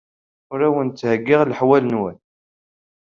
Ur awen-d-ttheyyiɣ leḥwal-nwen.